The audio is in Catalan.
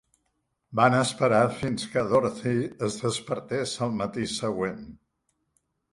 Van esperar fins que Dorothy es despertés al matí següent.